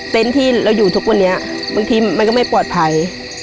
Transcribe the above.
ที่เราอยู่ทุกวันนี้บางทีมันก็ไม่ปลอดภัย